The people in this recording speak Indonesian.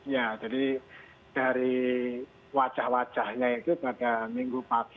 ya jadi dari wajah wajahnya itu pada minggu pagi